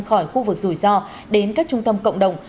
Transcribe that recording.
khỏi khu vực rủi ro đến các trung tâm cộng đồng